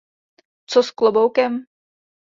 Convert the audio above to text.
Co s kloboukem!